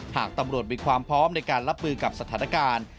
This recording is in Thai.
หากตำรวจมีความพร้อมในการรับมือกับสถานการณ์